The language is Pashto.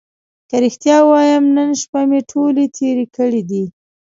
که رښتیا ووایم نن شپه مې ټولې تېرې کړې دي.